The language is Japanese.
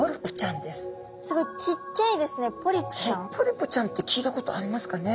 これはポリプちゃんって聞いたことありますかね？